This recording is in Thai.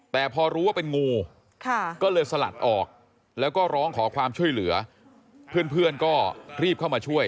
แต่พอรู้ว่าเป็นงูก็เลยสลัดออกแล้วก็ร้องขอความช่วยเหลือเพื่อนก็รีบเข้ามาช่วย